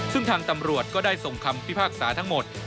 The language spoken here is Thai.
ซึ่งทางตำรวจก็ได้ส่งคำพิพากษาทั้งหมด